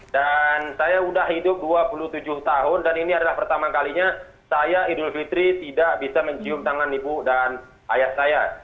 saya sudah hidup dua puluh tujuh tahun dan ini adalah pertama kalinya saya idul fitri tidak bisa mencium tangan ibu dan ayah saya